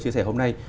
chia sẻ hôm nay